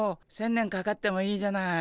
１，０００年かかってもいいじゃない。